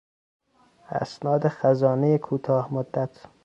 اسناد خزانهی کوتاه مدت